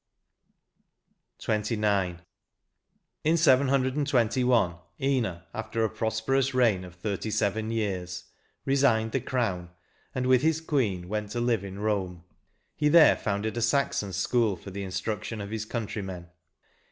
58 XXIX. In 721 Ina, after a prosperous reign of thirty s6veii years, resigned the crown, and with his queen went to live in Borne. He there founded a Saxon school for the instruction of his countrymen.